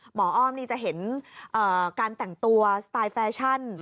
อ้อมนี่จะเห็นการแต่งตัวสไตล์แฟชั่น